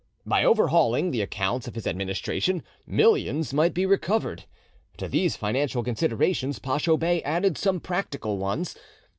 By overhauling the accounts of his administration, millions might be recovered. To these financial considerations Pacho Bey added some practical ones.